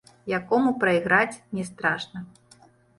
Якому прайграць не страшна.